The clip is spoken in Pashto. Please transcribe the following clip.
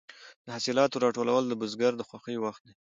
د حاصلاتو راټولول د بزګر د خوښۍ وخت دی.